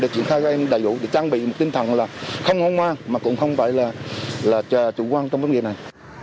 đã triển khai các em đại dụ để trang bị một tinh thần là không ngon ngoan mà cũng không phải là chủ quan trong vấn đề này